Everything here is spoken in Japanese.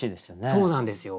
そうなんですよ。